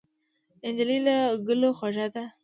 نجلۍ له ګلو خوږه ده.